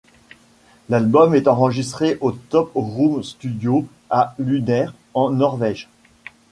L'album est enregistré aux Top Room Studios à Lunner, en Norvège.